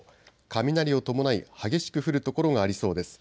雷を伴い激しく降る所がありそうです。